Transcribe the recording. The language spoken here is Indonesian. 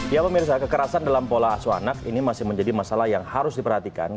ya pemirsa kekerasan dalam pola asu anak ini masih menjadi masalah yang harus diperhatikan